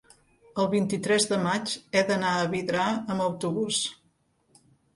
el vint-i-tres de maig he d'anar a Vidrà amb autobús.